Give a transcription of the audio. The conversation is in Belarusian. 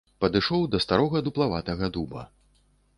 Падышоў да старога дуплаватага дуба.